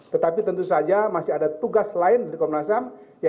tetapi tentu saja masih ada tugas lain dari komnas ham